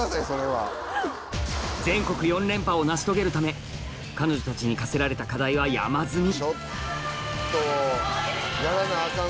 全国４連覇を成し遂げるため彼女たちに課せられた課題は山積みお願いします！